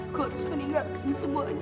aku harus meninggalkan semuanya